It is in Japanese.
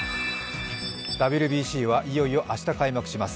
ＷＢＣはいよいよ明日開幕します。